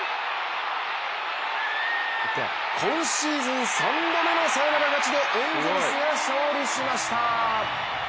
今シーズン３度目のサヨナラ勝ちでエンゼルスが勝利しました。